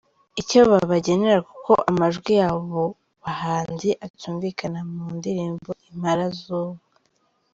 icyo babagenera kuko amajwi yabo bahanzi acyumvikana mu ndirimbo Impala zubu.